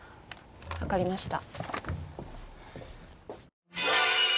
分かりました。